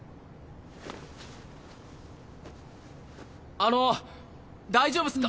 あの大丈夫っすか。